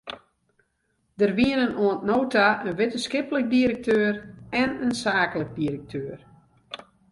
Der wienen oant no ta in wittenskiplik direkteur en in saaklik direkteur.